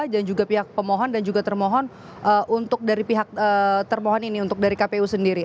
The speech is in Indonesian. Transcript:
dan juga pihak pemohon dan juga termohon untuk dari pihak termohon ini untuk dari kpu sendiri